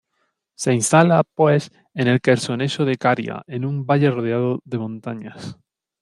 Se instala, pues, en el Quersoneso de Caria, en un valle rodeado de montañas.